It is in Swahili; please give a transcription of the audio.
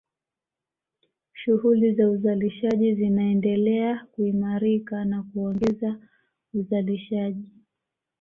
Shughuli za uzalishaji zinaendelea kuimarika na kuongeza uzalishaji